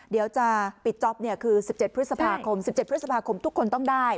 เดี๋ยวจะปิดจ๊อปคือ๑๗พฤษภาคม๑๗พฤษภาคมทุกคนต้องได้